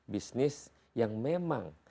bisnis yang memang